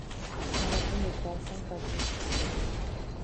On en compte de trois à cinq par groupe.